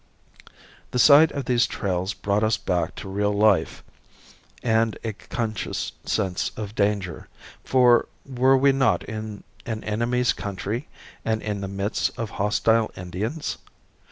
The sight of these trails brought us back to real life and a conscious sense of danger, for were we not in an enemy's country and in the midst of hostile Indians?